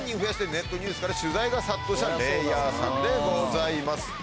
ネットニュースから取材が殺到したレイヤーさんでございます